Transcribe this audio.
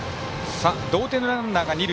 同点のランナーが二塁。